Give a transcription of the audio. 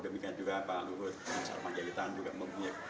demikian juga pak luhut dan sarman jelitan juga memiliki